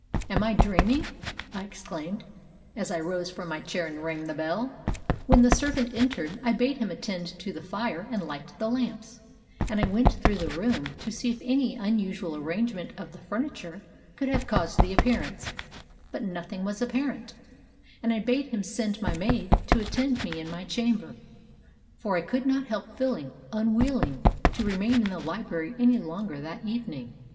ŌĆ£Am I dreaming? ŌĆØ I exclaimed, as I rose from my chair and rang the bell. When the servant entered, I bade him attend to the fire and light the lamps, and I went through the room to see if any unusual arrangement of the furniture could have caused the appearance, but nothing was apparent, and I bade him send my maid to attend me in my chamber, for I could not help feeling unwilling to remain in the library any longer that evening.